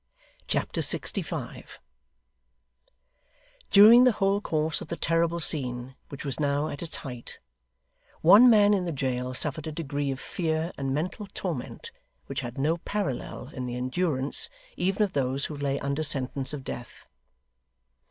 Chapter 65 During the whole course of the terrible scene which was now at its height, one man in the jail suffered a degree of fear and mental torment which had no parallel in the endurance, even of those who lay under sentence of death.